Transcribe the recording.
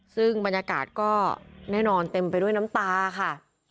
ซึ่งบรรยากาศก็แน่นอนเต็มไปด้วยน้ำตาค่ะ